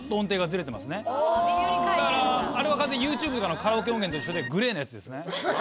だからあれは完全にＹｏｕＴｕｂｅのカラオケ音源と一緒でグレーのやつですね。